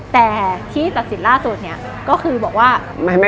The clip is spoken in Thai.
แต่ที่ตัดสินล่าสุดเนี่ยก็คือบอกว่า